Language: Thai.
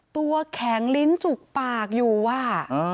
ตัวแข็งลิ้นจุกปากอยู่อ่ะ